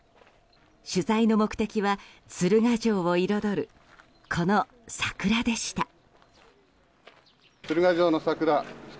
取材の目的は鶴ヶ城を彩るこの桜でした。